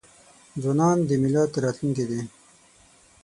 ځوانان د ملت راتلونکې دي.